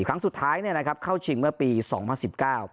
ครั้งสุดท้ายเนี่ยนะครับเข้าชิงเมื่อปีสองพันสิบเก้า